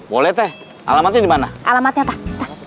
boleh teh alamatnya dimana alamatnya tak